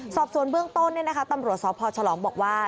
สอบส่วนเบื้องต้นตำรวจสพฉลองบอกว่า